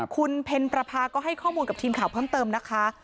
คุณเพ็ญประพาก็ให้ข้อมูลกับทีมข่าวเพิ่มเติมนะคะ